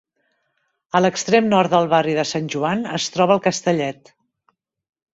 A l'extrem nord del barri de Sant Joan es troba el Castellet.